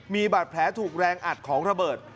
มีบาดแผลถูกแรงอัดของระเบิด